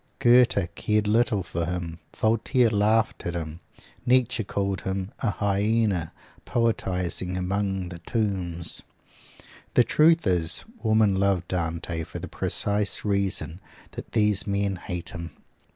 Goethe cared little for him; Voltaire laughed at him; Nietzsche called him "an hyaena poetizing among the tombs." The truth is, women love Dante for the precise reason that these men hate him.